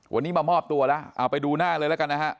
วันนี้มามอบตัวแล้วเอาไปดูหน้าเลยแล้วกันนะฮะ